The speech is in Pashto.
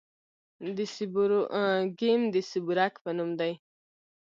د سیبورګیم د سیبورګ په نوم دی.